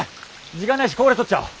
時間ないしここで撮っちゃおう。